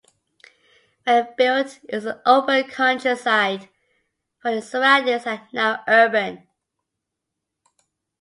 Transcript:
When built, it was in open countryside, but its surroundings are now urban.